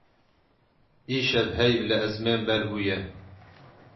Îşev heyv li ezmên bel bûye.